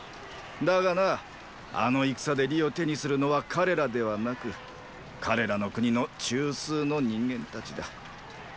だがなあの戦で利を手にするのは彼らではなく彼らの国の中枢の人間たちだ。